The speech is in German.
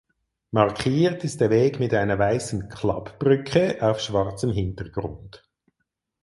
Markiert ist der Weg mit einer weißen „Klappbrücke“ auf schwarzem Hintergrund.